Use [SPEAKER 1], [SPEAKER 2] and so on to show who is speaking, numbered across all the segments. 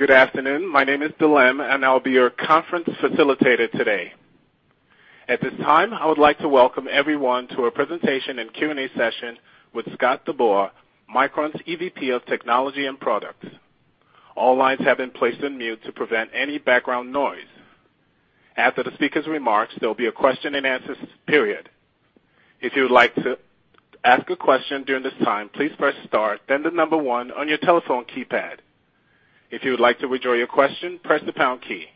[SPEAKER 1] Good afternoon. My name is Dilem. I'll be your conference facilitator today. At this time, I would like to welcome everyone to our presentation and Q&A session with Scott DeBoer, Micron's EVP of Technology and Products. All lines have been placed on mute to prevent any background noise. After the speaker's remarks, there'll be a question and answer period. If you would like to ask a question during this time, please press star, then the number one on your telephone keypad. If you would like to withdraw your question, press the pound key.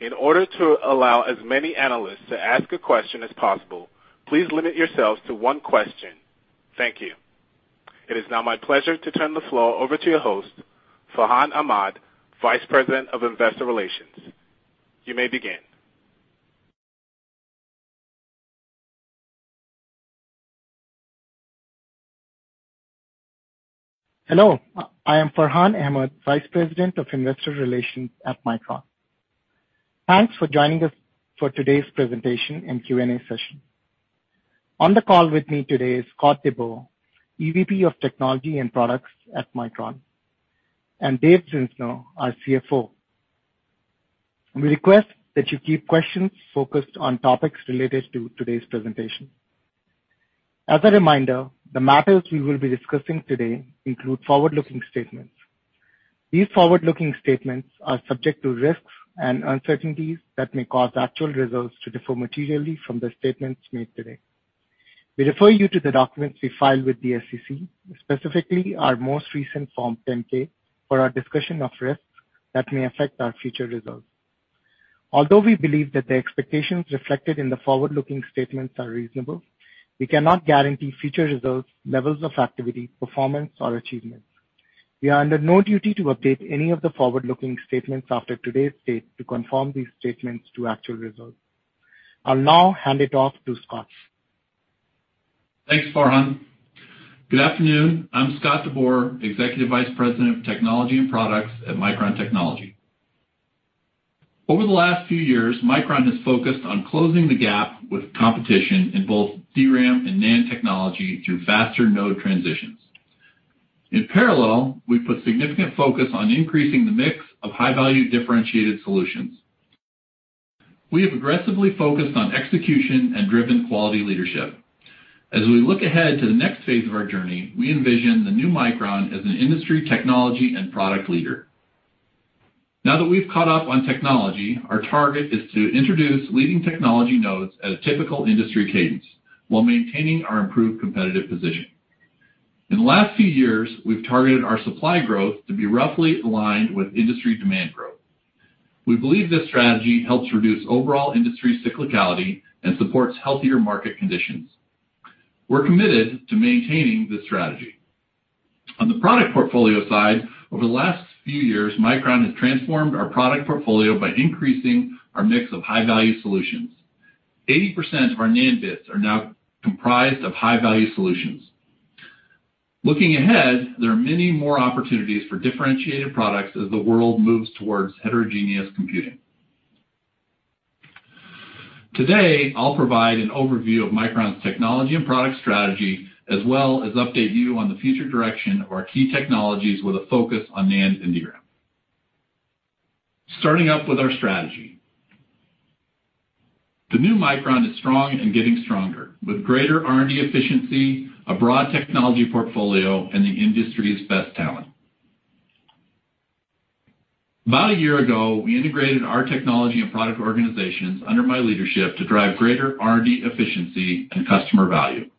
[SPEAKER 1] In order to allow as many analysts to ask a question as possible, please limit yourselves to one question. Thank you. It is now my pleasure to turn the floor over to your host, Farhan Ahmad, Vice President of Investor Relations. You may begin.
[SPEAKER 2] Hello, I am Farhan Ahmad, Vice President of Investor Relations at Micron. Thanks for joining us for today's presentation and Q&A session. On the call with me today is Scott DeBoer, EVP of Technology and Products at Micron, and Dave Zinsner, our CFO. We request that you keep questions focused on topics related to today's presentation. As a reminder, the matters we will be discussing today include forward-looking statements. These forward-looking statements are subject to risks and uncertainties that may cause actual results to differ materially from the statements made today. We refer you to the documents we filed with the SEC, specifically our most recent Form 10-K, for our discussion of risks that may affect our future results. Although we believe that the expectations reflected in the forward-looking statements are reasonable, we cannot guarantee future results, levels of activity, performance, or achievements. We are under no duty to update any of the forward-looking statements after today's date to confirm these statements to actual results. I'll now hand it off to Scott.
[SPEAKER 3] Thanks, Farhan. Good afternoon. I'm Scott DeBoer, Executive Vice President of Technology and Products at Micron Technology. Over the last few years, Micron has focused on closing the gap with competition in both DRAM and NAND technology through faster node transitions. In parallel, we've put significant focus on increasing the mix of high-value differentiated solutions. We have aggressively focused on execution and driven quality leadership. As we look ahead to the next phase of our journey, we envision the new Micron as an industry technology and product leader. Now that we've caught up on technology, our target is to introduce leading technology nodes at a typical industry cadence while maintaining our improved competitive position. In the last few years, we've targeted our supply growth to be roughly aligned with industry demand growth. We believe this strategy helps reduce overall industry cyclicality and supports healthier market conditions. We're committed to maintaining this strategy. On the product portfolio side, over the last few years, Micron has transformed our product portfolio by increasing our mix of high-value solutions. 80% of our NAND bits are now comprised of high-value solutions. Looking ahead, there are many more opportunities for differentiated products as the world moves towards heterogeneous computing. Today, I'll provide an overview of Micron's technology and product strategy, as well as update you on the future direction of our key technologies with a focus on NAND and DRAM. Starting up with our strategy. The new Micron is strong and getting stronger, with greater R&D efficiency, a broad technology portfolio, and the industry's best talent. About a year ago, we integrated our technology and product organizations under my leadership to drive greater R&D efficiency and customer value.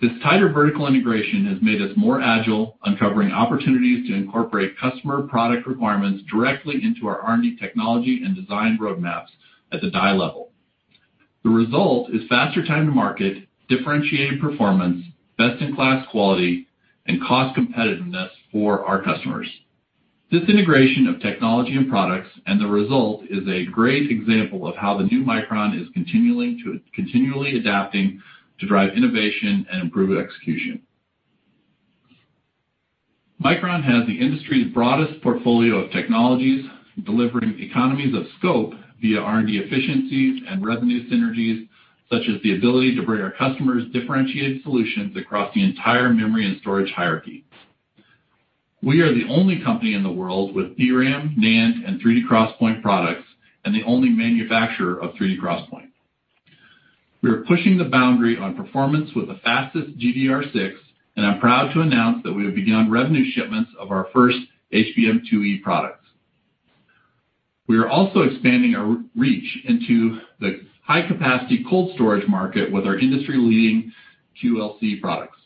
[SPEAKER 3] This tighter vertical integration has made us more agile, uncovering opportunities to incorporate customer product requirements directly into our R&D technology and design roadmaps at the die level. The result is faster time to market, differentiated performance, best-in-class quality, and cost competitiveness for our customers. This integration of technology and products and the result is a great example of how the new Micron is continually adapting to drive innovation and improve execution. Micron has the industry's broadest portfolio of technologies, delivering economies of scope via R&D efficiencies and revenue synergies, such as the ability to bring our customers differentiated solutions across the entire memory and storage hierarchy. We are the only company in the world with DRAM, NAND, and 3D XPoint products, and the only manufacturer of 3D XPoint. We are pushing the boundary on performance with the fastest DDR6, and I'm proud to announce that we have begun revenue shipments of our first HBM2E products. We are also expanding our reach into the high-capacity cold storage market with our industry-leading QLC products.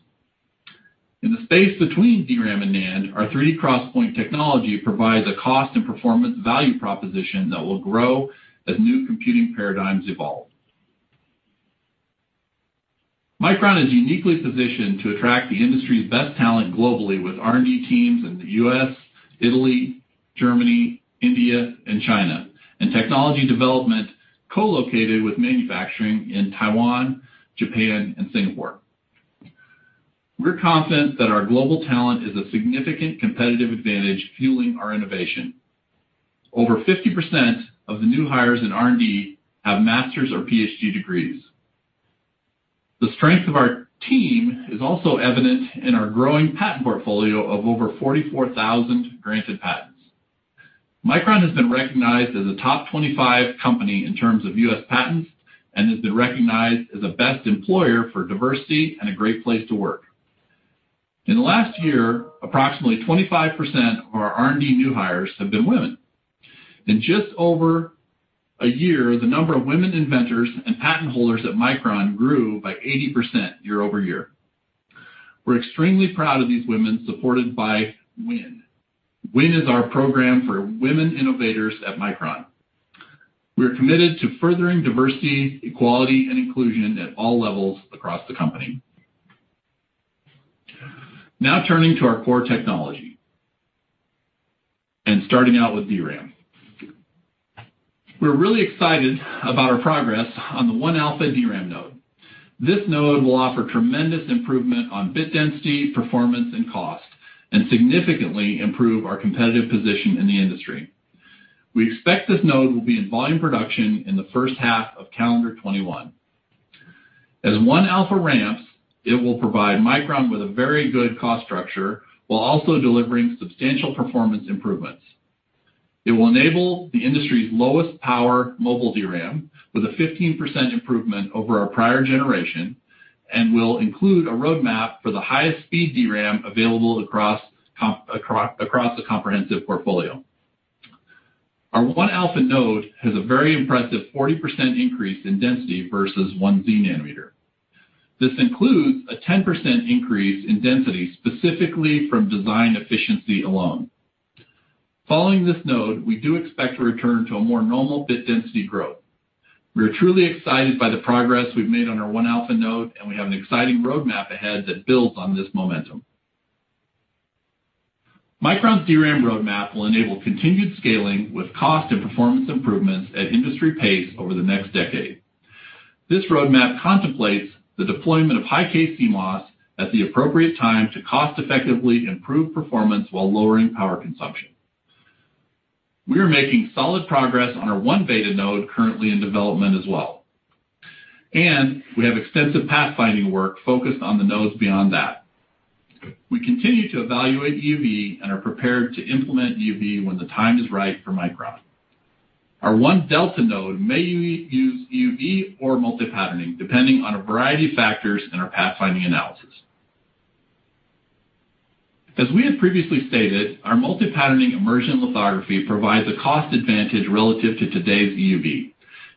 [SPEAKER 3] In the space between DRAM and NAND, our 3D XPoint technology provides a cost and performance value proposition that will grow as new computing paradigms evolve. Micron is uniquely positioned to attract the industry's best talent globally with R&D teams in the U.S., Italy, Germany, India, and China, and technology development co-located with manufacturing in Taiwan, Japan, and Singapore. We're confident that our global talent is a significant competitive advantage fueling our innovation. Over 50% of the new hires in R&D have Master's or PhD degrees. The strength of our team is also evident in our growing patent portfolio of over 44,000 granted patents. Micron has been recognized as a top 25 company in terms of U.S. patents and has been recognized as a best employer for diversity and a great place to work. In the last year, approximately 25% of our R&D new hires have been women. In just over a year, the number of women inventors and patent holders at Micron grew by 80% year-over-year. We're extremely proud of these women supported by WIM. WIM is our program for Women Innovators at Micron. We are committed to furthering diversity, equality, and inclusion at all levels across the company. Turning to our core technology, and starting out with DRAM. We're really excited about our progress on the 1-alpha DRAM node. This node will offer tremendous improvement on bit density, performance, and cost, and significantly improve our competitive position in the industry. We expect this node will be in volume production in the first half of calendar 2021. As 1-alpha ramps, it will provide Micron with a very good cost structure while also delivering substantial performance improvements. It will enable the industry's lowest power mobile DRAM with a 15% improvement over our prior generation and will include a roadmap for the highest speed DRAM available across a comprehensive portfolio. Our 1-alpha node has a very impressive 40% increase in density versus 1z-nanometer. This includes a 10% increase in density, specifically from design efficiency alone. Following this node, we do expect to return to a more normal bit density growth. We are truly excited by the progress we've made on our 1-alpha node, and we have an exciting roadmap ahead that builds on this momentum. Micron's DRAM roadmap will enable continued scaling with cost and performance improvements at industry pace over the next decade. This roadmap contemplates the deployment of High-K CMOS at the appropriate time to cost effectively improve performance while lowering power consumption. We are making solid progress on our 1-beta node currently in development as well. We have extensive pathfinding work focused on the nodes beyond that. We continue to evaluate EUV and are prepared to implement EUV when the time is right for Micron. Our 1-delta node may use EUV or multi-patterning, depending on a variety of factors in our pathfinding analysis. As we have previously stated, our multi-patterning immersion lithography provides a cost advantage relative to today's EUV,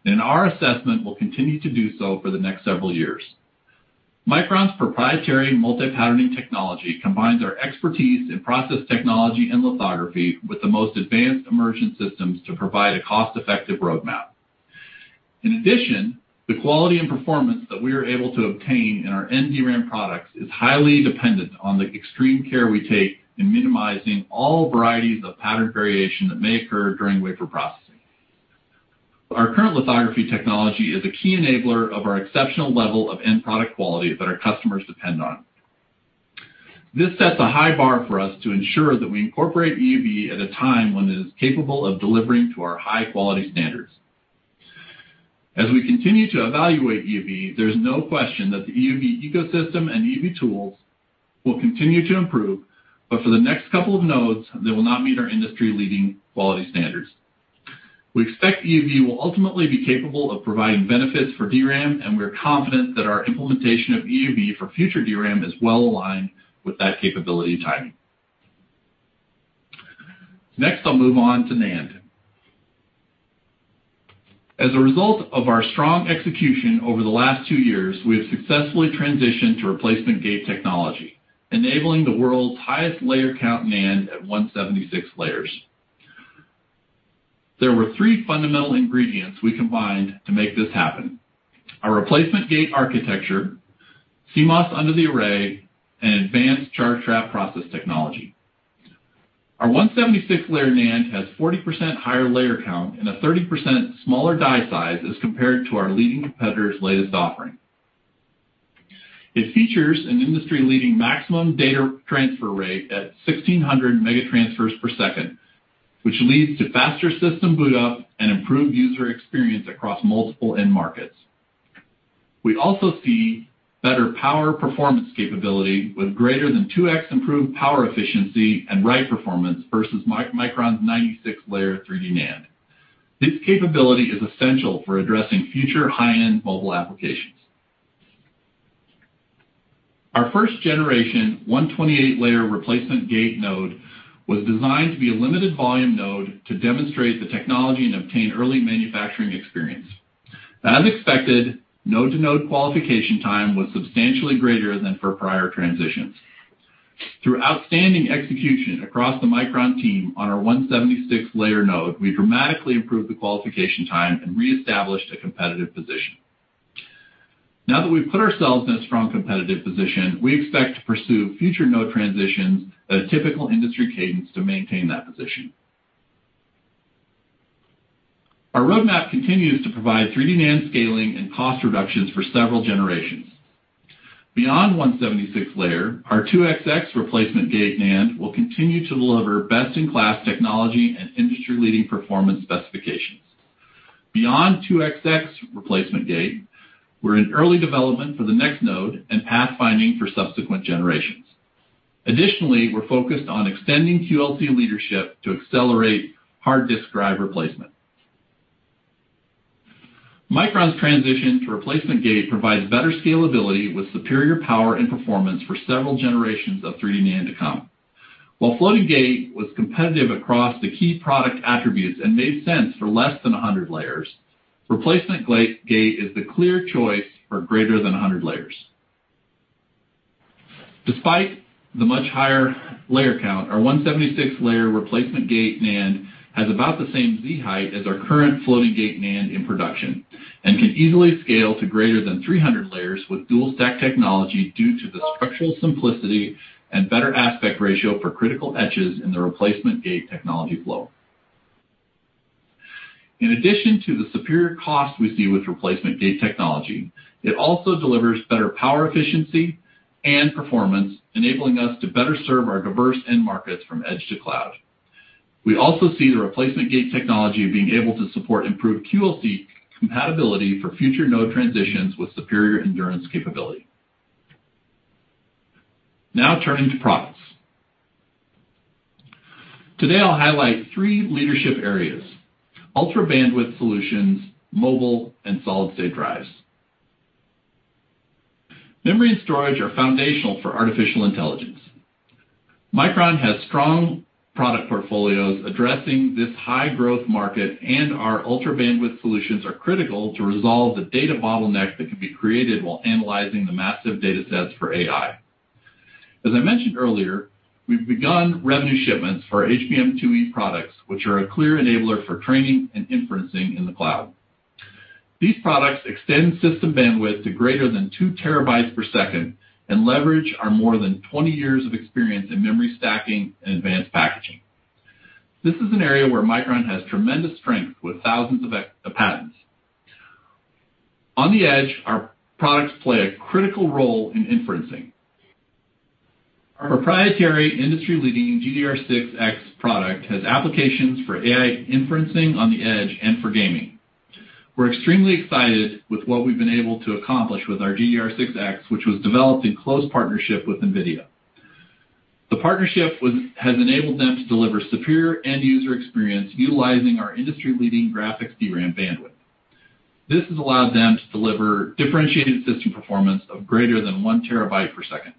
[SPEAKER 3] and our assessment will continue to do so for the next several years. Micron's proprietary multi-patterning technology combines our expertise in process technology and lithography with the most advanced immersion systems to provide a cost-effective roadmap. In addition, the quality and performance that we are able to obtain in our DRAM products is highly dependent on the extreme care we take in minimizing all varieties of pattern variation that may occur during wafer processing. Our current lithography technology is a key enabler of our exceptional level of end product quality that our customers depend on. This sets a high bar for us to ensure that we incorporate EUV at a time when it is capable of delivering to our high quality standards. As we continue to evaluate EUV, there's no question that the EUV ecosystem and EUV tools will continue to improve, but for the next couple of nodes, they will not meet our industry-leading quality standards. We expect EUV will ultimately be capable of providing benefits for DRAM. We are confident that our implementation of EUV for future DRAM is well aligned with that capability timing. Next, I'll move on to NAND. As a result of our strong execution over the last two years, we have successfully transitioned to replacement-gate technology, enabling the world's highest layer count NAND at 176 layers. There were three fundamental ingredients we combined to make this happen. Our replacement-gate architecture, CMOS under array, and advanced charge trap process technology. Our 176-layer NAND has 40% higher layer count and a 30% smaller die size as compared to our leading competitor's latest offering. It features an industry-leading maximum data transfer rate at 1,600 MT/s, which leads to faster system boot up and improved user experience across multiple end markets. We also see better power performance capability with greater than 2x improved power efficiency and write performance versus Micron's 96-layer 3D NAND. This capability is essential for addressing future high-end mobile applications. Our first-generation 128-layer replacement-gate node was designed to be a limited volume node to demonstrate the technology and obtain early manufacturing experience. As expected, node-to-node qualification time was substantially greater than for prior transitions. Through outstanding execution across the Micron team on our 176-layer node, we dramatically improved the qualification time and reestablished a competitive position. Now that we've put ourselves in a strong competitive position, we expect to pursue future node transitions at a typical industry cadence to maintain that position. Our roadmap continues to provide 3D NAND scaling and cost reductions for several generations. Beyond 176-layer, our 2XX replacement-gate NAND will continue to deliver best-in-class technology and industry-leading performance specifications. Beyond 2XX replacement-gate, we're in early development for the next node and pathfinding for subsequent generations. Additionally, we're focused on extending QLC leadership to accelerate hard disk drive replacement. Micron's transition to replacement-gate provides better scalability with superior power and performance for several generations of 3D NAND to come. While floating gate was competitive across the key product attributes and made sense for less than 100 layers, replacement gate is the clear choice for greater than 100 layers. Despite the much higher layer count, our 176-layer replacement gate NAND has about the same Z-height as our current floating gate NAND in production and can easily scale to greater than 300 layers with dual stack technology due to the structural simplicity and better aspect ratio for critical etches in the replacement gate technology flow. In addition to the superior cost we see with replacement-gate technology, it also delivers better power efficiency and performance, enabling us to better serve our diverse end markets from edge to cloud. We also see the replacement-gate technology being able to support improved QLC compatibility for future node transitions with superior endurance capability. Now turning to products. Today, I will highlight three leadership areas: ultra-bandwidth solutions, mobile, and solid-state drives. Memory and storage are foundational for artificial intelligence. Micron has strong product portfolios addressing this high-growth market, our ultra-bandwidth solutions are critical to resolve the data bottleneck that can be created while analyzing the massive data sets for AI. As I mentioned earlier, we have begun revenue shipments for HBM2E products, which are a clear enabler for training and inferencing in the cloud. These products extend system bandwidth to greater than 2 TB/s and leverage our more than 20 years of experience in memory stacking and advanced packaging. This is an area where Micron has tremendous strength with thousands of patents. On the edge, our products play a critical role in inferencing. Our proprietary industry-leading GDDR6X product has applications for AI inferencing on the edge and for gaming. We're extremely excited with what we've been able to accomplish with our GDDR6X, which was developed in close partnership with NVIDIA. The partnership has enabled them to deliver superior end-user experience utilizing our industry-leading graphic DRAM bandwidth. This has allowed them to deliver differentiated system performance of greater than 1 TB/s.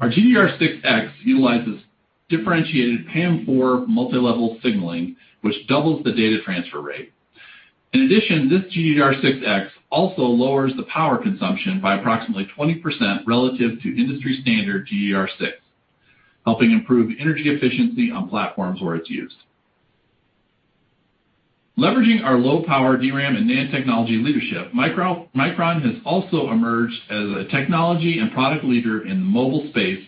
[SPEAKER 3] Our GDDR6X utilizes differentiated PAM4 multi-level signaling, which doubles the data transfer rate. This GDDR6X also lowers the power consumption by approximately 20% relative to industry standard GDDR6, helping improve energy efficiency on platforms where it's used. Leveraging our low-power DRAM and NAND technology leadership, Micron has also emerged as a technology and product leader in the mobile space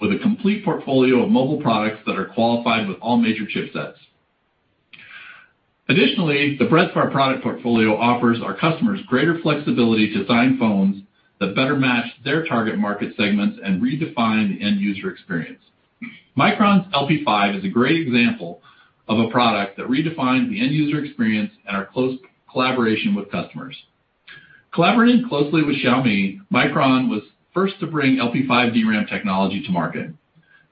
[SPEAKER 3] with a complete portfolio of mobile products that are qualified with all major chipsets. The breadth of our product portfolio offers our customers greater flexibility to design phones that better match their target market segments and redefine the end-user experience. Micron's LP5 is a great example of a product that redefines the end-user experience and our close collaboration with customers. Collaborating closely with Xiaomi, Micron was first to bring LP5 DRAM technology to market.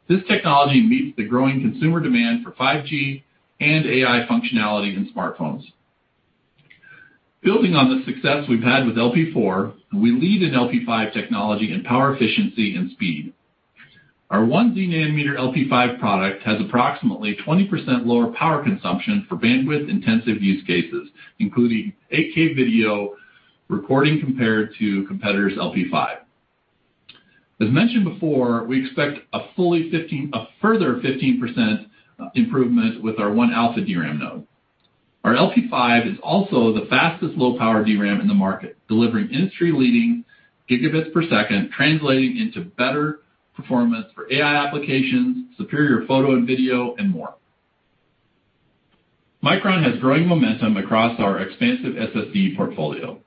[SPEAKER 3] This technology meets the growing consumer demand for 5G and AI functionality in smartphones. Building on the success we've had with LP4, we lead in LP5 technology in power efficiency and speed. Our 1z-nanometer LP5 product has approximately 20% lower power consumption for bandwidth-intensive use cases, including 8K video recording compared to competitors' LP5. As mentioned before, we expect a further 15% improvement with our 1-alpha DRAM node. Our LP5 is also the fastest low-power DRAM in the market, delivering industry-leading gigabits per second, translating into better performance for AI applications, superior photo and video, and more. Micron has growing momentum across our expansive SSD portfolio.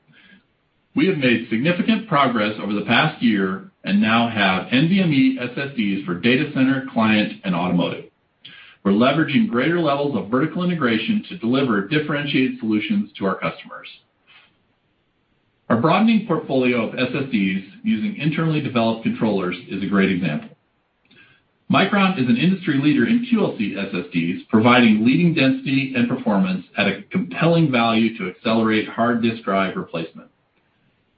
[SPEAKER 3] We have made significant progress over the past year and now have NVMe SSDs for data center, client, and automotive. We're leveraging greater levels of vertical integration to deliver differentiated solutions to our customers. Our broadening portfolio of SSDs using internally developed controllers is a great example. Micron is an industry leader in QLC SSDs, providing leading density and performance at a compelling value to accelerate hard disk drive replacement.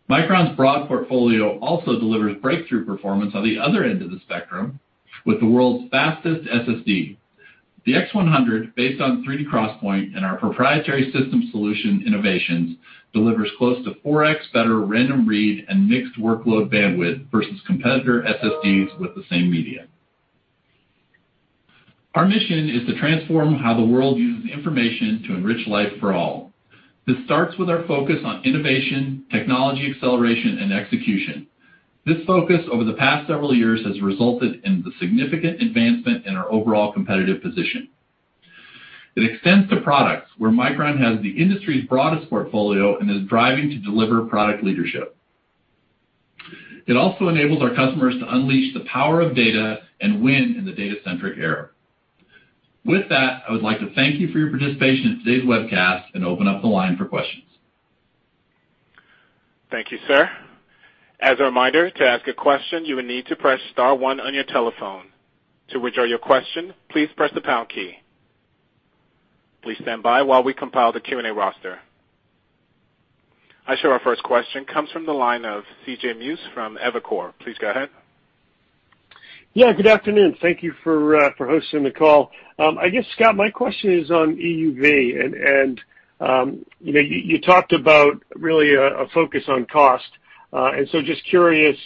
[SPEAKER 3] Micron's broad portfolio also delivers breakthrough performance on the other end of the spectrum with the world's fastest SSD. The X100, based on 3D XPoint and our proprietary system solution innovations, delivers close to 4x better random read and mixed workload bandwidth versus competitor SSDs with the same media. Our mission is to transform how the world uses information to enrich life for all. This starts with our focus on innovation, technology acceleration, and execution. This focus over the past several years has resulted in the significant advancement in our overall competitive position. It extends to products where Micron has the industry's broadest portfolio and is driving to deliver product leadership. It also enables our customers to unleash the power of data and win in the data-centric era. With that, I would like to thank you for your participation in today's webcast and open up the line for questions.
[SPEAKER 1] Thank you, sir. As a reminder, to ask a question, you will need to press star one on your telephone. To withdraw your question, please press the pound key. Please stand by while we compile the Q&A roster. I show our first question comes from the line of CJ Muse from Evercore. Please go ahead.
[SPEAKER 4] Yeah, good afternoon. Thank you for hosting the call. I guess, Scott, my question is on EUV. You talked about really a focus on cost. Just curious,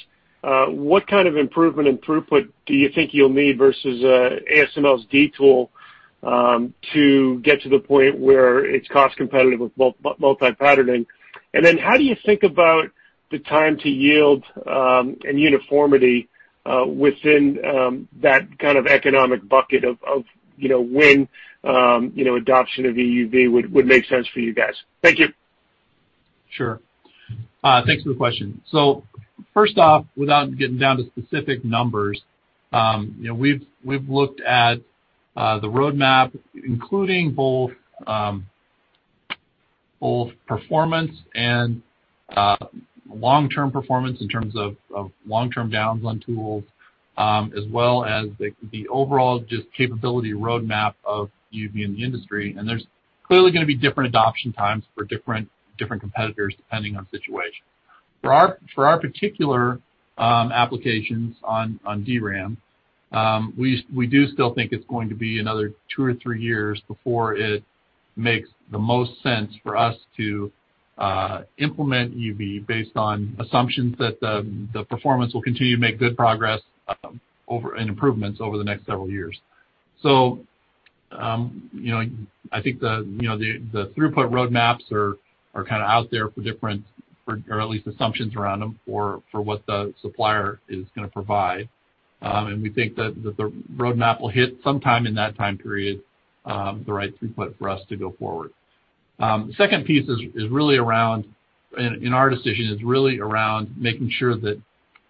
[SPEAKER 4] what kind of improvement in throughput do you think you'll need versus ASML's D tool, to get to the point where it's cost competitive with multi-patterning? How do you think about the time to yield, and uniformity within that kind of economic bucket of when adoption of EUV would make sense for you guys? Thank you.
[SPEAKER 3] Sure. Thanks for the question. First off, without getting down to specific numbers, we've looked at the roadmap, including both performance and long-term performance in terms of long-term downtime on tools, as well as the overall just capability roadmap of EUV in the industry. There's clearly going to be different adoption times for different competitors depending on situation. For our particular applications on DRAM, we do still think it's going to be another two or three years before it makes the most sense for us to implement EUV based on assumptions that the performance will continue to make good progress and improvements over the next several years. I think the throughput roadmaps are kind of out there for different, or at least assumptions around them for what the supplier is going to provide. We think that the roadmap will hit sometime in that time period, the right throughput for us to go forward. The second piece, in our decision, is really around making sure that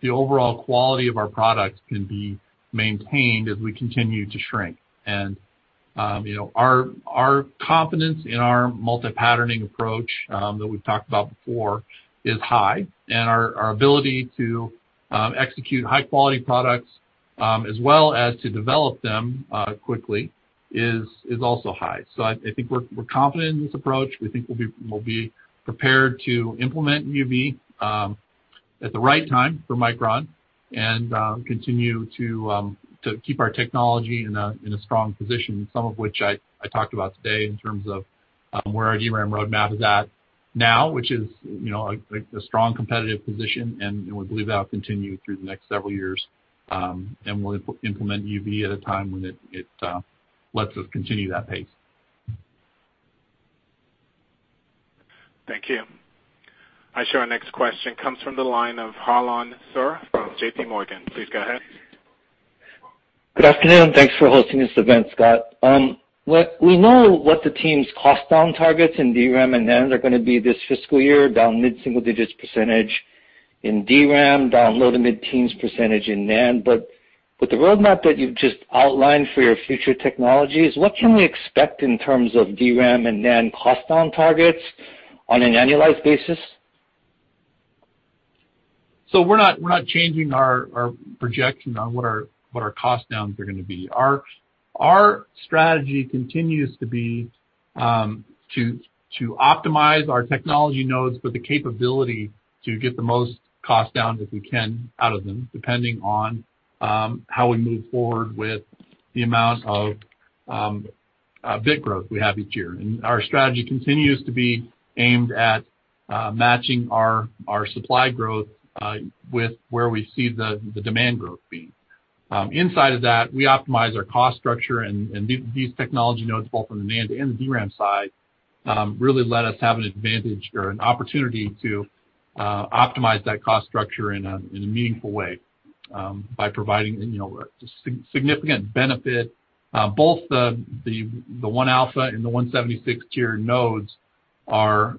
[SPEAKER 3] the overall quality of our products can be maintained as we continue to shrink. Our confidence in our multi-patterning approach that we've talked about before is high. Our ability to execute high-quality products, as well as to develop them quickly is also high. I think we're confident in this approach. We think we'll be prepared to implement EUV at the right time for Micron and continue to keep our technology in a strong position, some of which I talked about today in terms of where our DRAM roadmap is at now, which is a strong competitive position, and we believe that will continue through the next several years. We'll implement EUV at a time when it lets us continue that pace.
[SPEAKER 1] Thank you. I show our next question comes from the line of Harlan Sur from JPMorgan. Please go ahead.
[SPEAKER 5] Good afternoon. Thanks for hosting this event, Scott. We know what the team's cost-down targets in DRAM and NAND are going to be this fiscal year, down mid-single digits percentage in DRAM, down low to mid-teens percentage in NAND. But with the roadmap that you've just outlined for your future technologies, what can we expect in terms of DRAM and NAND cost-down targets on an annualized basis?
[SPEAKER 3] We're not changing our projection on what our cost-downs are going to be. Our strategy continues to be to optimize our technology nodes with the capability to get the most cost down that we can out of them, depending on how we move forward with the amount of bit growth we have each year. Our strategy continues to be aimed at matching our supply growth with where we see the demand growth being. Inside of that, we optimize our cost structure, and these technology nodes, both from the NAND and the DRAM side, really let us have an advantage or an opportunity to optimize that cost structure in a meaningful way, by providing a significant benefit. Both the 1-alpha and the 176-layer nodes are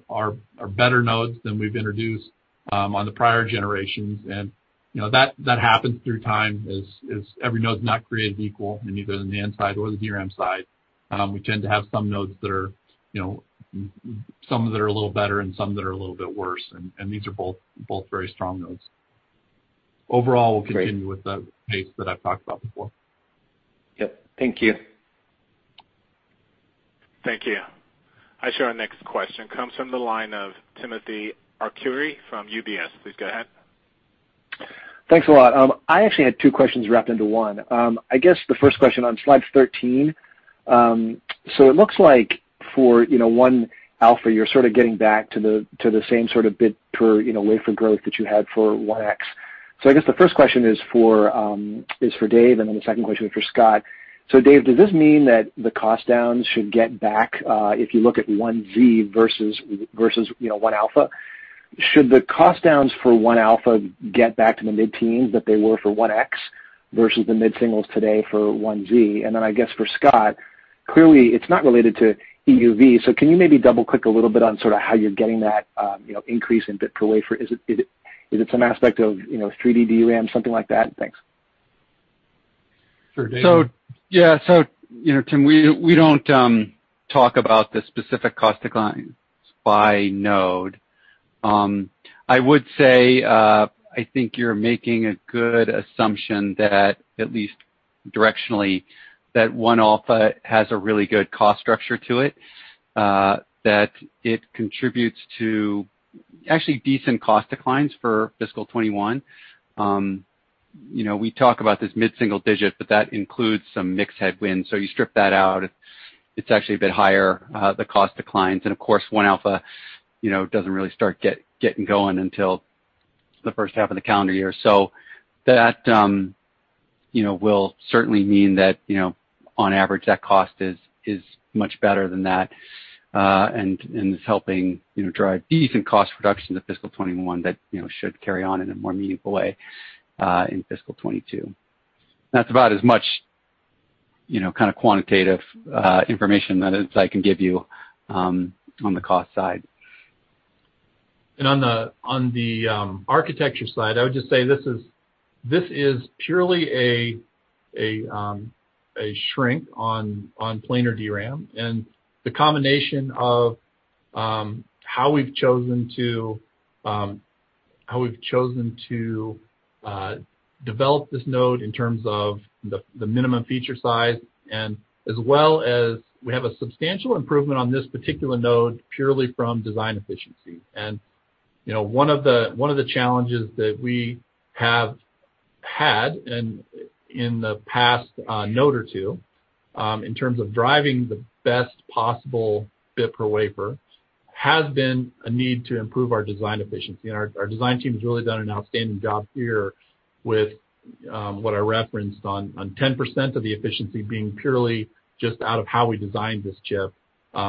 [SPEAKER 3] better nodes than we've introduced on the prior generations. That happens through time as every node is not created equal, neither in the NAND side or the DRAM side. We tend to have some nodes that are a little better and some that are a little bit worse. These are both very strong nodes. Overall, we'll continue with the pace that I've talked about before.
[SPEAKER 5] Yep. Thank you.
[SPEAKER 1] Thank you. I show our next question comes from the line of Timothy Arcuri from UBS. Please go ahead.
[SPEAKER 6] Thanks a lot. I actually had two questions wrapped into one. I guess the first question on slide 13. It looks like for 1-alpha, you're sort of getting back to the same sort of bit per wafer growth that you had for 1X. I guess the first question is for Dave, and then the second question is for Scott. Dave, does this mean that the cost-downs should get back, if you look at 1z versus 1-alpha? Should the cost downs for 1-alpha get back to the mid-teens that they were for 1X versus the mid-singles today for 1z? I guess for Scott, clearly it's not related to EUV, so can you maybe double-click a little bit on how you're getting that increase in bit per wafer? Is it some aspect of 3D DRAM, something like that? Thanks.
[SPEAKER 3] Sure. Dave?
[SPEAKER 7] Yeah. Timothy, we don't talk about the specific cost declines by node. I would say, I think you're making a good assumption that at least directionally, that 1-alpha has a really good cost structure to it, that it contributes to actually decent cost declines for fiscal 2021. We talk about this mid-single digit, but that includes some mix headwinds. You strip that out, it's actually a bit higher, the cost declines. Of course, 1-alpha, doesn't really start getting going until the first half of the calendar year. That will certainly mean that, on average, that cost is much better than that, and is helping drive decent cost reduction to fiscal 2021 that should carry on in a more meaningful way, in fiscal 2022. That's about as much, kind of quantitative information that I can give you on the cost side.
[SPEAKER 3] On the architecture side, I would just say this is purely a shrink on planar DRAM, and the combination of how we've chosen to develop this node in terms of the minimum feature size, and as well as we have a substantial improvement on this particular node, purely from design efficiency. One of the challenges that we have had in the past node or two, in terms of driving the best possible bit per wafer, has been a need to improve our design efficiency. Our design team has really done an outstanding job here with what I referenced on 10% of the efficiency being purely just out of how we designed this chip,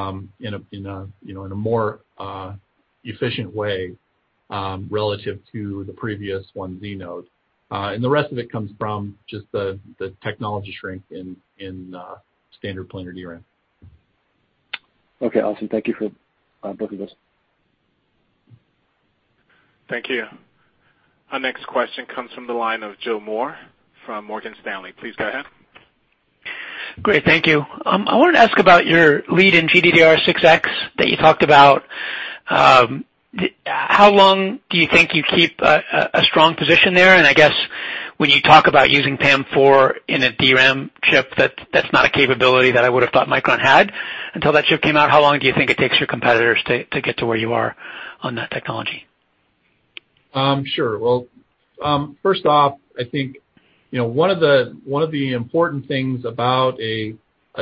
[SPEAKER 3] in a more efficient way, relative to the previous 1z node. The rest of it comes from just the technology shrink in standard planar DRAM.
[SPEAKER 6] Okay, awesome. Thank you for both of those.
[SPEAKER 1] Thank you. Our next question comes from the line of Joseph Moore from Morgan Stanley. Please go ahead.
[SPEAKER 8] Great, thank you. I wanted to ask about your lead in GDDR6X that you talked about. How long do you think you keep a strong position there? I guess when you talk about using PAM4 in a DRAM chip, that's not a capability that I would've thought Micron had until that chip came out. How long do you think it takes your competitors to get to where you are on that technology?
[SPEAKER 3] Sure. Well, first off, I think one of the important things about a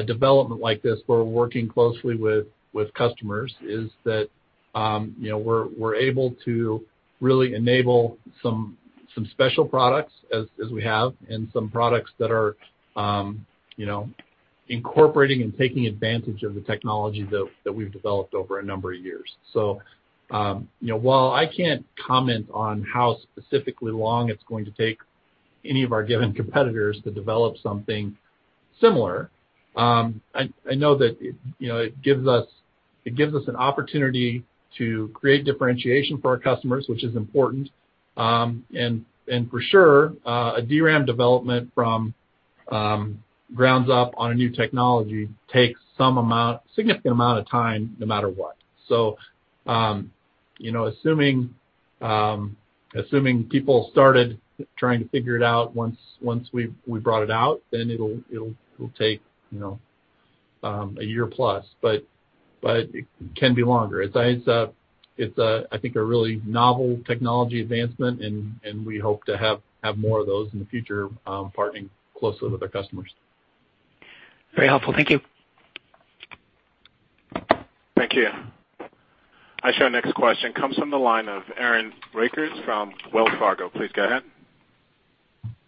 [SPEAKER 3] development like this, where we're working closely with customers is that we're able to really enable some special products as we have, and some products that are incorporating and taking advantage of the technology that we've developed over a number of years. While I can't comment on how specifically long it's going to take any of our given competitors to develop something similar, I know that it gives us an opportunity to create differentiation for our customers, which is important. For sure, a DRAM development from ground up on a new technology takes a significant amount of time no matter what. Assuming people started trying to figure it out once we brought it out, then it'll take a year plus, but it can be longer. It's I think a really novel technology advancement and we hope to have more of those in the future, partnering closely with our customers.
[SPEAKER 8] Very helpful. Thank you.
[SPEAKER 1] Thank you. Our next question comes from the line of Aaron Rakers from Wells Fargo. Please go ahead.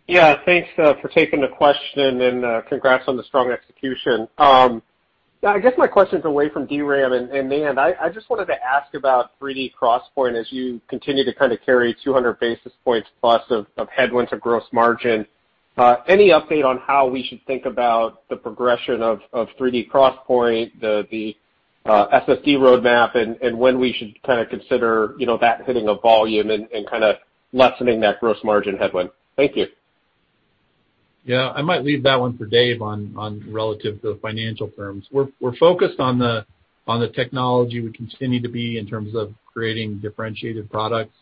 [SPEAKER 9] Yeah. Thanks for taking the question, and congrats on the strong execution. I guess my question's away from DRAM and NAND. I just wanted to ask about 3D XPoint as you continue to kind of carry 200 basis points plus of headwinds of gross margin. Any update on how we should think about the progression of 3D XPoint, the SSD roadmap, and when we should kind of consider that hitting a volume and kind of lessening that gross margin headwind? Thank you.
[SPEAKER 3] Yeah. I might leave that one for Dave on relative to the financial terms. We're focused on the technology. We continue to be in terms of creating differentiated products.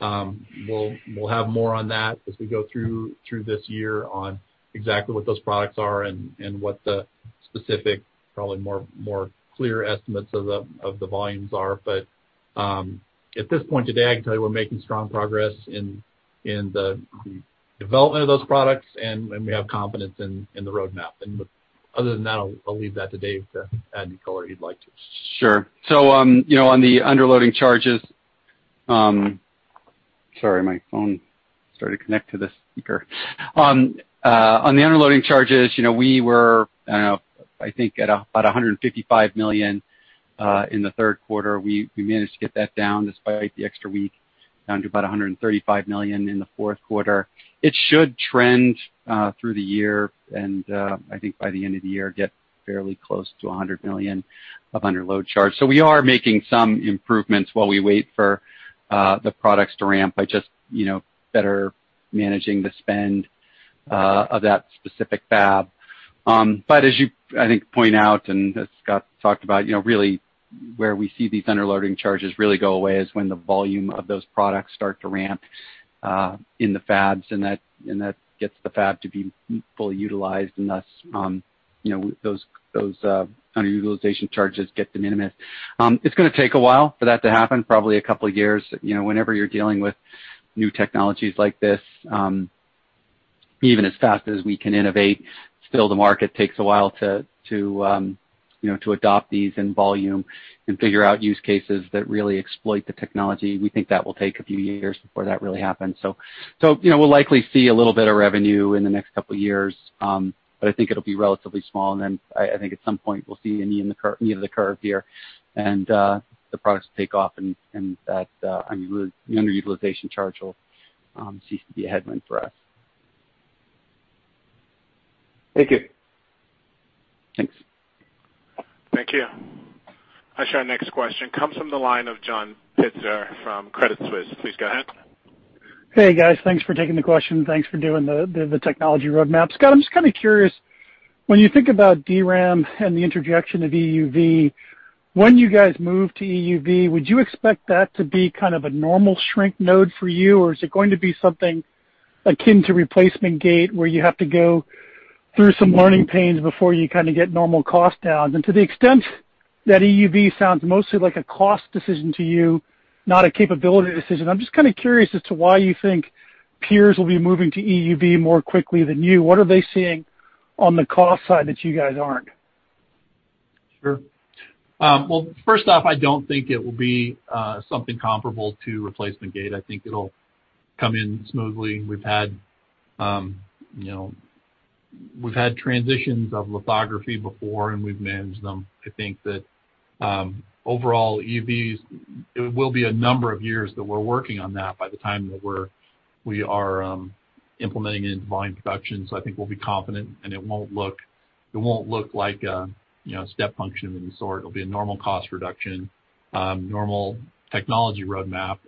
[SPEAKER 3] We'll have more on that as we go through this year on exactly what those products are and what the specific, probably more clear estimates of the volumes are. At this point today, I can tell you we're making strong progress in the development of those products and we have confidence in the roadmap. Other than that, I'll leave that to Dave to add any color he'd like to.
[SPEAKER 7] Sure. On the underloading charges, we were, I think, at about $155 million in the third quarter. We managed to get that down, despite the extra week, down to about $135 million in the fourth quarter. It should trend through the year and I think by the end of the year, get fairly close to $100 million of underload charge. We are making some improvements while we wait for the products to ramp by just better managing the spend of that specific fab. As you, I think, point out, and as Scott talked about, really where we see these underloading charges really go away is when the volume of those products start to ramp in the fabs, and that gets the fab to be fully utilized and thus, those underutilization charges get de minimis. It's going to take a while for that to happen, probably a couple of years. Whenever you're dealing with new technologies like this, even as fast as we can innovate, still the market takes a while to adopt these in volume and figure out use cases that really exploit the technology. We think that will take a few years before that really happens. We'll likely see a little bit of revenue in the next couple of years, but I think it'll be relatively small and then I think at some point we'll see a knee of the curve here and the products will take off and that underutilization charge will cease to be a headwind for us.
[SPEAKER 9] Thank you.
[SPEAKER 7] Thanks.
[SPEAKER 1] Thank you. Our next question comes from the line of John Pitzer from Credit Suisse. Please go ahead.
[SPEAKER 10] Hey, guys. Thanks for taking the question. Thanks for doing the technology roadmap. Scott, I'm just kind of curious, when you think about DRAM and the introduction of EUV, when you guys move to EUV, would you expect that to be kind of a normal shrink node for you or is it going to be something akin to replacement gate where you have to go through some learning pains before you kind of get normal cost downs? To the extent that EUV sounds mostly like a cost decision to you, not a capability decision, I'm just kind of curious as to why you think peers will be moving to EUV more quickly than you. What are they seeing on the cost side that you guys aren't?
[SPEAKER 3] Sure. Well, first off, I don't think it will be something comparable to replacement gate. I think it'll come in smoothly. We've had transitions of lithography before, we've managed them. I think that overall EUV, it will be a number of years that we're working on that by the time that we are implementing it into volume production. I think we'll be confident, it won't look like a step function of any sort. It'll be a normal cost reduction, normal technology roadmap.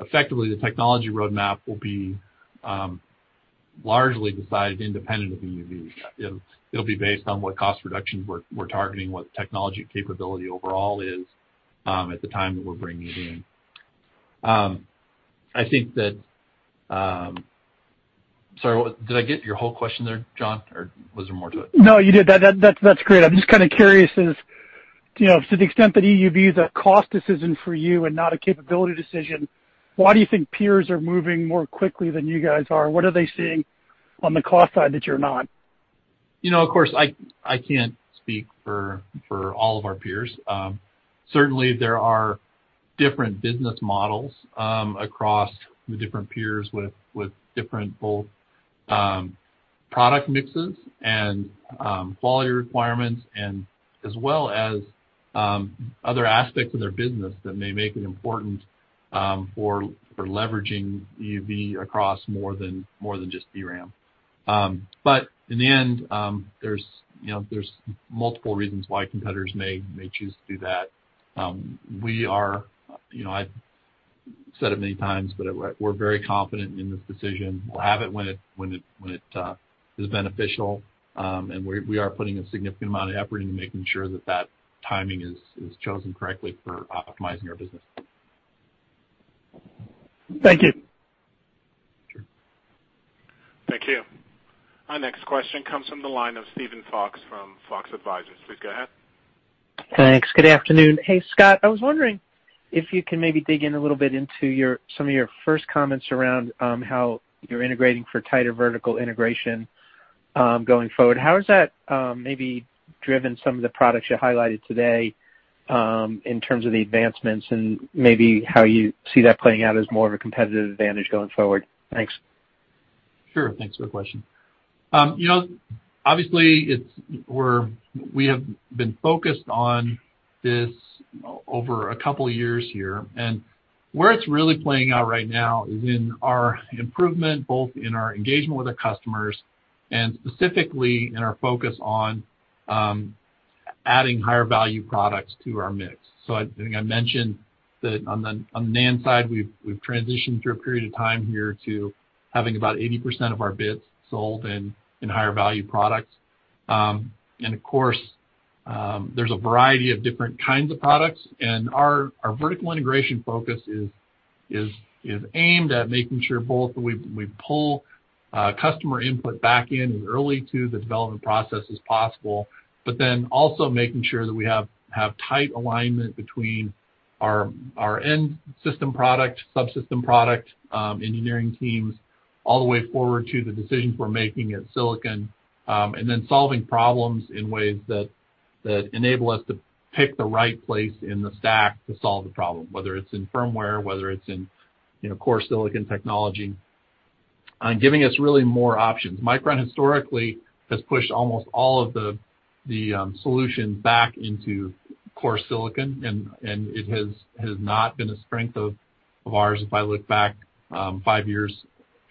[SPEAKER 3] Effectively, the technology roadmap will be largely decided independent of EUV. It'll be based on what cost reductions we're targeting, what technology capability overall is at the time that we're bringing it in. Sorry, did I get your whole question there, John, or was there more to it?
[SPEAKER 10] No, you did. That's great. I'm just kind of curious as to the extent that EUV is a cost decision for you and not a capability decision, why do you think peers are moving more quickly than you guys are? What are they seeing on the cost side that you're not?
[SPEAKER 3] Of course, I can't speak for all of our peers. Certainly, there are different business models across the different peers with different both product mixes and quality requirements, and as well as other aspects of their business that may make it important for leveraging EUV across more than just DRAM. In the end, there's multiple reasons why competitors may choose to do that. I've said it many times, but we're very confident in this decision. We'll have it when it is beneficial, and we are putting a significant amount of effort into making sure that that timing is chosen correctly for optimizing our business.
[SPEAKER 10] Thank you.
[SPEAKER 3] Sure.
[SPEAKER 1] Thank you. Our next question comes from the line of Steven Fox from Fox Advisors. Please go ahead.
[SPEAKER 11] Thanks. Good afternoon. Hey, Scott, I was wondering if you can maybe dig in a little bit into some of your first comments around how you're integrating for tighter vertical integration going forward. How has that maybe driven some of the products you highlighted today in terms of the advancements and maybe how you see that playing out as more of a competitive advantage going forward? Thanks.
[SPEAKER 3] Sure. Thanks for the question. We have been focused on this over a couple of years here, and where it's really playing out right now is in our improvement, both in our engagement with our customers, and specifically in our focus on adding higher value products to our mix. I think I mentioned that on the NAND side, we've transitioned through a period of time here to having about 80% of our bits sold in higher value products. Of course, there's a variety of different kinds of products, and our vertical integration focus is aimed at making sure both that we pull customer input back in as early to the development process as possible, but then also making sure that we have tight alignment between our end system product, subsystem product, engineering teams, all the way forward to the decisions we're making at silicon, and then solving problems in ways that That enable us to pick the right place in the stack to solve the problem, whether it's in firmware, whether it's in core silicon technology, giving us really more options. Micron historically has pushed almost all of the solutions back into core silicon, it has not been a strength of ours, if I look back five years,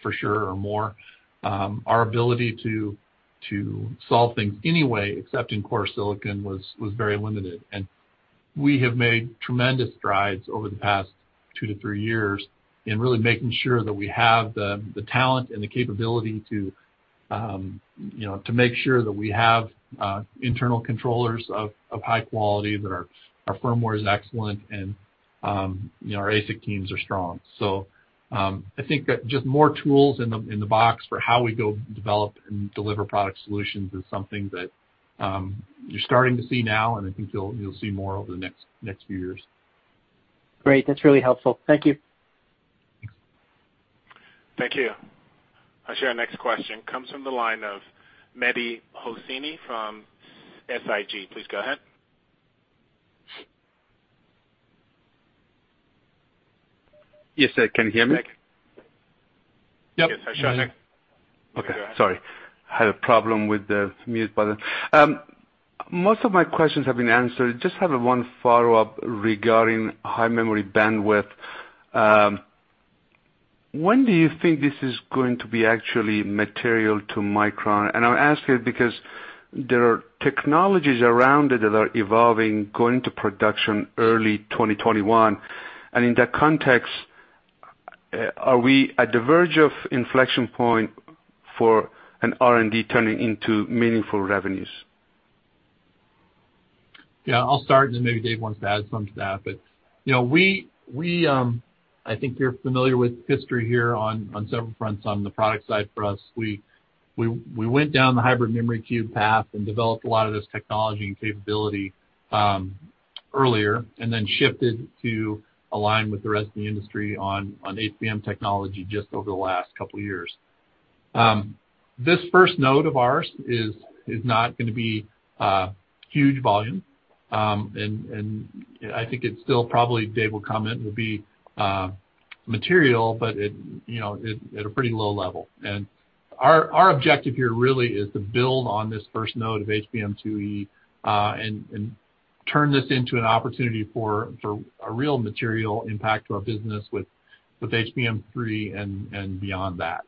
[SPEAKER 3] for sure, or more. Our ability to solve things any way except in core silicon was very limited. We have made tremendous strides over the past two to three years in really making sure that we have the talent and the capability to make sure that we have internal controllers of high quality, that our firmware is excellent, and our ASIC teams are strong. I think that just more tools in the box for how we go develop and deliver product solutions is something that you're starting to see now, and I think you'll see more over the next few years.
[SPEAKER 11] Great. That's really helpful. Thank you.
[SPEAKER 1] Thank you. I'll share our next question, comes from the line of Mehdi Hosseini from SIG. Please go ahead.
[SPEAKER 12] Yes, sir. Can you hear me?
[SPEAKER 1] Yep.
[SPEAKER 3] Yes.
[SPEAKER 1] Sure.
[SPEAKER 12] Okay, sorry. I had a problem with the mute button. Most of my questions have been answered. Just have one follow-up regarding high memory bandwidth. When do you think this is going to be actually material to Micron? I'm asking because there are technologies around it that are evolving, going to production early 2021. In that context, are we at the verge of inflection point for an R&D turning into meaningful revenues?
[SPEAKER 3] I'll start and then maybe Dave wants to add something to that. I think you're familiar with history here on several fronts on the product side for us. We went down the Hybrid Memory Cube path and developed a lot of this technology and capability earlier, and then shifted to align with the rest of the industry on HBM technology just over the last couple of years. This first node of ours is not going to be huge volume. I think it's still probably, Dave will comment, will be material, but at a pretty low level. Our objective here really is to build on this first node of HBM2E and turn this into an opportunity for a real material impact to our business with HBM3E and beyond that.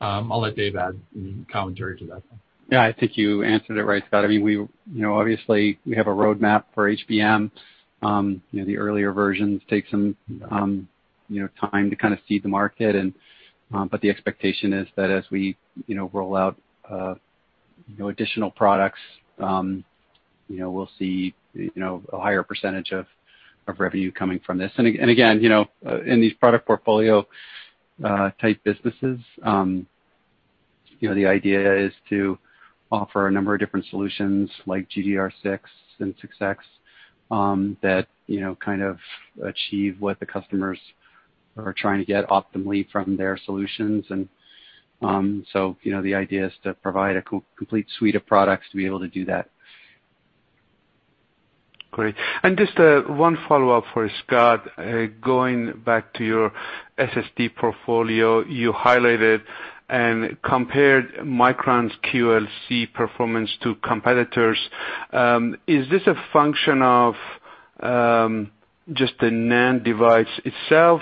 [SPEAKER 3] I'll let Dave add any commentary to that.
[SPEAKER 7] I think you answered it right, Scott. Obviously, we have a roadmap for HBM. The earlier versions take some time to kind of seed the market. The expectation is that as we roll out additional products, we'll see a higher percentage of revenue coming from this. Again, in these product portfolio type businesses, the idea is to offer a number of different solutions like GDDR6 and GDDR6X, that kind of achieve what the customers are trying to get optimally from their solutions. The idea is to provide a complete suite of products to be able to do that.
[SPEAKER 12] Great. Just one follow-up for Scott, going back to your SSD portfolio, you highlighted and compared Micron's QLC performance to competitors. Is this a function of just the NAND device itself,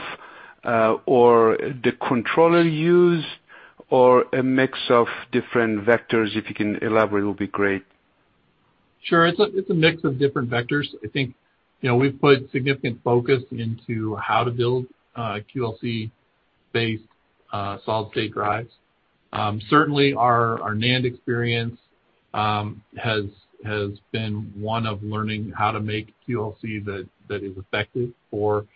[SPEAKER 12] or the controller used, or a mix of different vectors? If you can elaborate, it'll be great.
[SPEAKER 3] Sure. It's a mix of different vectors. I think we've put significant focus into how to build QLC-based solid-state drives. Certainly, our NAND experience has been one of learning how to make QLC that is effective for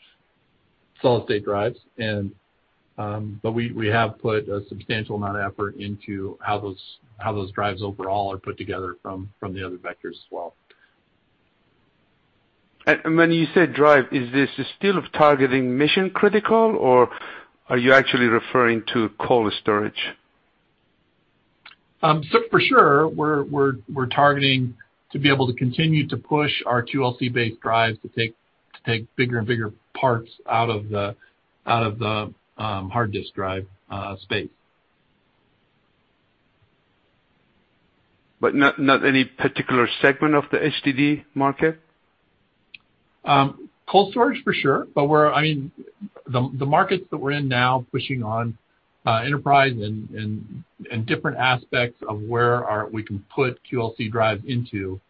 [SPEAKER 3] solid-state drives. We have put a substantial amount of effort into how those drives overall are put together from the other vectors as well.
[SPEAKER 12] When you say drive, is this still targeting mission-critical, or are you actually referring to cold storage?
[SPEAKER 3] For sure, we're targeting to be able to continue to push our QLC-based drives to take bigger and bigger parts out of the hard disk drive space.
[SPEAKER 12] Not any particular segment of the HDD market?
[SPEAKER 3] Cold storage, for sure. The markets that we're in now, pushing on enterprise and different aspects of where we can put QLC drives into,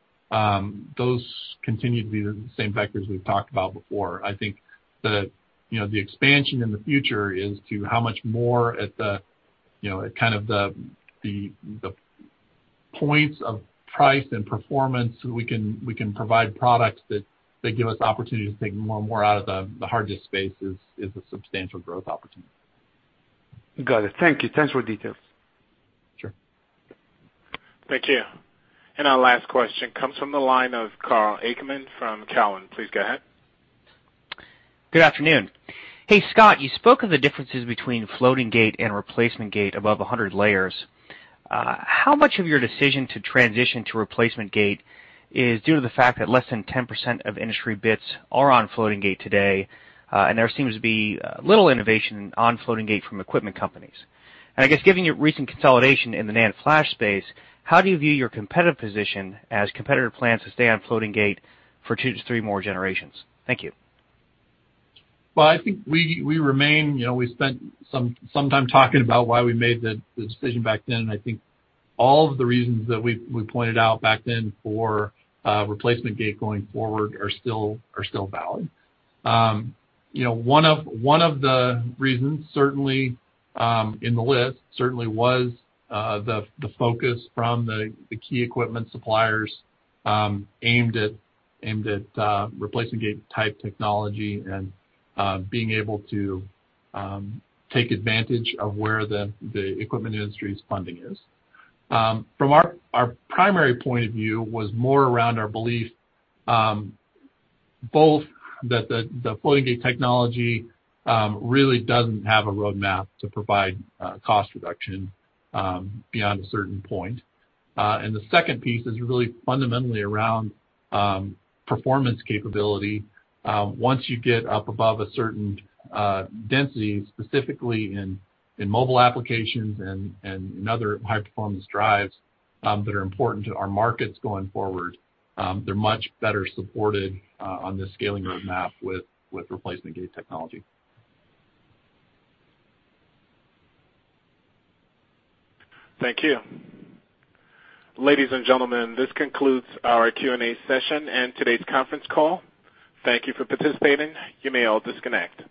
[SPEAKER 3] those continue to be the same vectors we've talked about before. I think the expansion in the future is to how much more at the points of price and performance we can provide products that give us the opportunity to take more and more out of the hard disk space is a substantial growth opportunity.
[SPEAKER 12] Got it. Thank you. Thanks for the details.
[SPEAKER 3] Sure.
[SPEAKER 1] Thank you. Our last question comes from the line of Karl Ackerman from Cowen. Please go ahead.
[SPEAKER 13] Good afternoon. Hey, Scott, you spoke of the differences between floating gate and replacement gate above 100 layers. How much of your decision to transition to replacement gate is due to the fact that less than 10% of industry bits are on floating gate today, and there seems to be little innovation on floating gate from equipment companies? I guess given your recent consolidation in the NAND flash space, how do you view your competitive position as competitor plans to stay on floating gate for two to three more generations? Thank you.
[SPEAKER 3] Well, I think we spent some time talking about why we made the decision back then. I think all of the reasons that we pointed out back then for replacement gate going forward are still valid. One of the reasons in the list certainly was the focus from the key equipment suppliers aimed at replacement gate type technology and being able to take advantage of where the equipment industry's funding is. From our primary point of view was more around our belief both that the floating gate technology really doesn't have a roadmap to provide cost reduction beyond a certain point. The second piece is really fundamentally around performance capability. Once you get up above a certain density, specifically in mobile applications and in other high-performance drives that are important to our markets going forward, they're much better supported on the scaling roadmap with replacement gate technology.
[SPEAKER 1] Thank you. Ladies and gentlemen, this concludes our Q&A session and today's conference call. Thank you for participating. You may all disconnect.